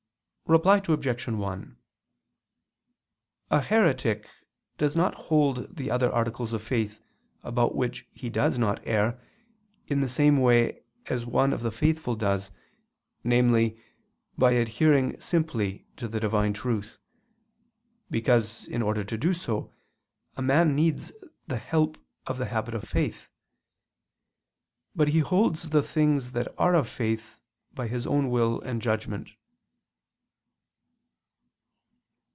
Reply Obj. 1: A heretic does not hold the other articles of faith, about which he does not err, in the same way as one of the faithful does, namely by adhering simply to the Divine Truth, because in order to do so, a man needs the help of the habit of faith; but he holds the things that are of faith, by his own will and judgment.